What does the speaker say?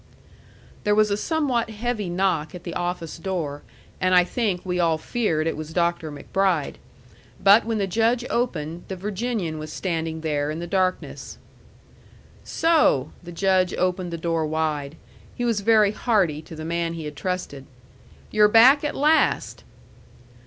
There was a somewhat heavy knock at the office door, and I think we all feared it was Dr. MacBride. But when the Judge opened, the Virginian was standing there in the darkness. "So!" The Judge opened the door wide. He was very hearty to the man he had trusted. "You're back at last."